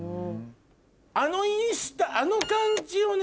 あのインスタあの感じをね